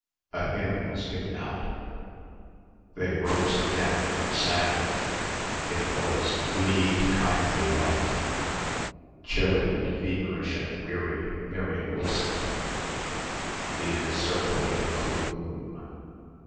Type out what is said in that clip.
A hymn was given out. They rose again and sang. It was "Lead, Kindly Light." Chilly and feverish and weary Miriam listened ... "the encircling glooo om"